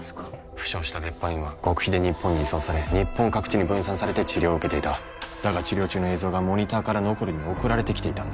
負傷した別班員は極秘で日本に移送され日本各地に分散されて治療を受けていただが治療中の映像がモニターからノコルに送られてきていたんだ